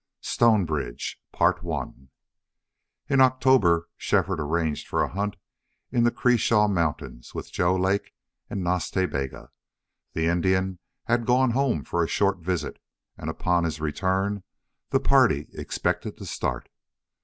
STONEBRIDGE In October Shefford arranged for a hunt in the Cresaw Mountains with Joe Lake and Nas Ta Bega. The Indian had gone home for a short visit, and upon his return the party expected to start.